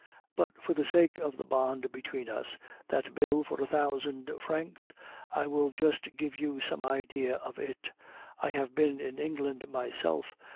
But, for the sake of the bond between us that bill for a thousand francs I will just give you some idea of it. I have been in England myself.